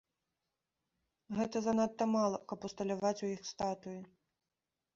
Гэта занадта мала, каб усталяваць у іх статуі.